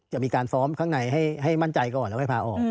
จะมีการซ้อมข้างในให้มั่นใจก่อนแล้วค่อยพาออก